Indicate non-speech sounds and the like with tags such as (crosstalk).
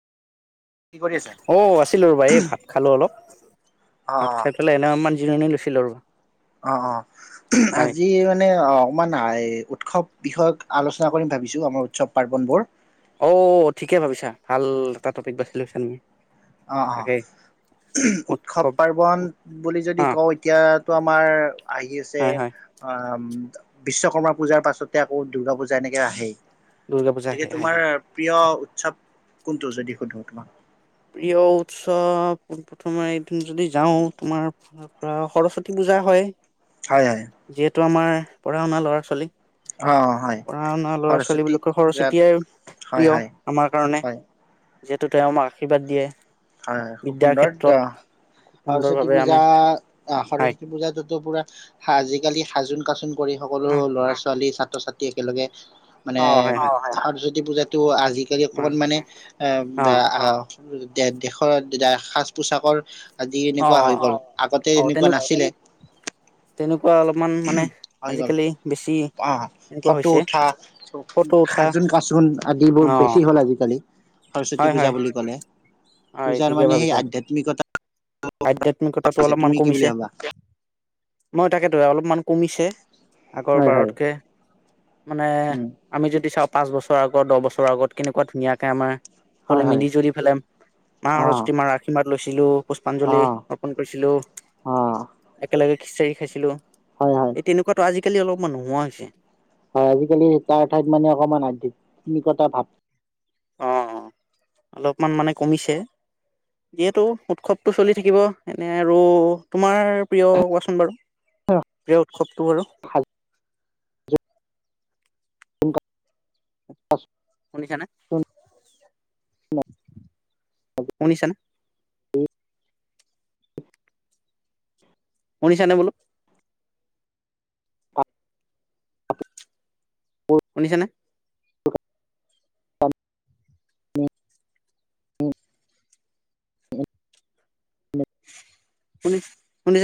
কি কৰি আছা? অ আছিলো ৰ'বা এই ভাত খালো অলপ ভাত অ', খাই পেলাই এনেই অলমান জিৰণি লৈ ছিলো ৰ বা অ অ আজি মানে অ অকমান উৎসৱ বিষয়ক আলোচনা কৰিম ভাবিছো আমাৰ উৎসৱ পাৰ্বনবোৰ অ ঠিকে ভাবিছা ভাল এটা টপিক বাচি লৈছা তুমি অ অ তাকে উৎসৱ পাৰ্বন বুলি যদি হা কওঁ এতিয়াতো আমাৰ আহি আছে হয় হয় উ বিশ্বকৰ্মা পূজাৰ পাছতে আকৌ দুৰ্গা পূজা এনেকে আহেই দুৰ্গা পূজা হে গতিকে হয় তোমাৰ হয় প্ৰিয় উৎসৱ কোনটো যদি সুধো (unintelligible) প্ৰিয় উৎসৱ পোন প্ৰথমে এইদিন যদি যাও তোমাৰ পৰা সৰস্বতী পূজা হয় হয় হয় টো আমাৰ পঢ়া শুনা ল'ৰা ছোৱালীক অ', হয়, পঢ়া শুনা ল'ৰা ছোৱালী সৰস্বতী বিলাকৰ পূজাত সৰস্বতীয়েই হয়, প্ৰিয় হয়, আমাৰ কাৰণে হয়, হয়, যিহেতু তেওঁ আমাক আশীৰ্বাদ দিয়ে হয় হয় খুব বিদ্যাৰ সুন্দৰ ক্ষেত্ৰত সৰস্বতী সুন্দৰভাৱে পূজা আমি অ হয় সৰস্বতী পূজাতটোতো পুৰা আজিকালি সাজোন কাচোন কৰি সকলো হা, ল'ৰা ছোৱালী ছা ছাত্ৰ ছাত্ৰীয়ে একেলগে মানে অ' হয় হয় আৰু যদি পূজাটো আজি আজিকালি অকণমান অ' মানে অ' বেয়া উম (unintelligible) দেশৰ সাজ পোচাকৰ আদি এনেকুৱা হৈ অ' গল আগতে অ' এনেকুৱা তেনেকুৱা নাছিলে তেনেকুৱা অলপমান মানে হৈ গল আজিকালি বেছি আহ এনেকুৱা ফটো হৈছে উঠা ফটো উঠা সাজোন কাচোন অ আদিবোৰ বেছি হল আজিকালি হয় সৰস্বতী হয় পূজা বুলি ক'লে হয় পূজাৰ মানে সেই আধ্যাত্মিকতা আ্ধ্যাত্মিক আধ্যাত্মিকতাটো হৈছে, অলপমান তুমি কি বুলি কমিছে ভাবা মই তাকেতো অলপমান কমিছে আগৰ হয় হয় বাৰতকে মানে উম আমি যদি চাওঁ পাঁচ বছৰ ত আগত দহ বছৰ আগত কেনেকুৱা ধুনীয়া কে আমাৰ হয় সকলো হয় মিলি জুলি পেলে মা অ সৰস্বতী মাৰ আশীৰ্বাদ লৈছিলো অঞ্জলি অ অৰ্পন কৰিছিলো অ একেলগ গৈ খিচিৰি খাইছিলো হয় হয় এই তেনেকুৱাতটো আজি আজিকালি অলপমান নোহোৱা হৈছে হয় আজিকালি তাৰ ঠাইত মানে অকমান আধ্যাত্মিকতা ভাৱ অ অলপমান মানে কমিছে যিহেতু উৎসৱটো চলি থাকিব এনে আৰু তোমাৰ প্ৰিয় কোৱাচোন বাৰু প্ৰিয় উৎসৱটো বাৰু সাজ কোন ক (unintelligible) শুনিচানে? শুনিচানে? (inaudible) (inaudible) শুনিছানে বোলো? শুনিছানে অ (inaudible) (unintelligible) শুনিচ শুনিচা (unintelligible)